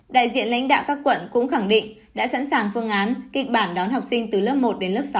đại diện lãnh đạo các quận cũng khẳng định đã sẵn sàng phương án kịch bản đón học sinh từ lớp một đến lớp sáu